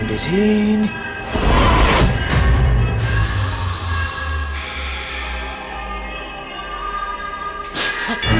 gak ada siapa siapa